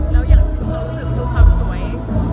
แล้วอย่างที่เรารู้สึกคือความสวย